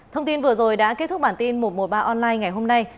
thông tin vừa rồi đã kết thúc bản tin một trăm một mươi ba online ngày hôm nay